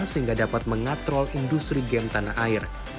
sehingga dapat mengatrol industri game tanah air